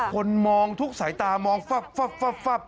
คนมองทุกสายตามองฟับ